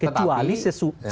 kecuali sesuatu misalnya